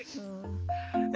え